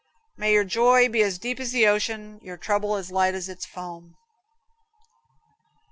May your joy be as deep as the ocean, Your trouble as light as its foam.